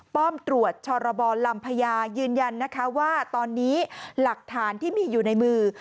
ป้อมตรวจชรบรลำพญายืนยันนะคะว่าตอนนี้หลักฐานที่มีอยู่ในมือ